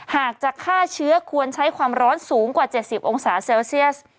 หากจะฆ่าเชื้อควรใช้ความร้อนสูงกว่า๗๐องศาเซลเซียส